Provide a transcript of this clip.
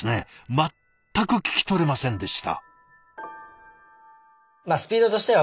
全く聞き取れませんでした。